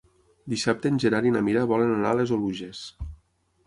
Dissabte en Gerard i na Mira volen anar a les Oluges.